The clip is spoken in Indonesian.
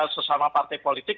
sesama partai politik